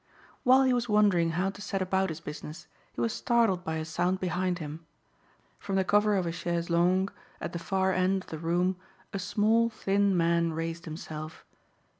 While he was wondering how to set about his business, he was startled by a sound behind him. From the cover of a chaise longue at the far end of the room a small, thin man raised himself.